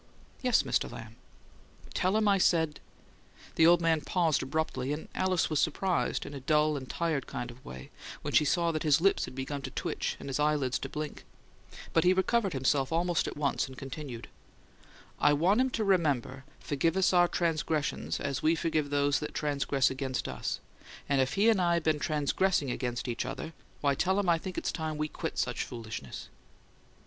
"Yes, Mr. Lamb." "Tell him I said " The old man paused abruptly and Alice was surprised, in a dull and tired way, when she saw that his lips had begun to twitch and his eyelids to blink; but he recovered himself almost at once, and continued: "I want him to remember, 'Forgive us our transgressions, as we forgive those that transgress against us'; and if he and I been transgressing against each other, why, tell him I think it's time we QUIT such foolishness!"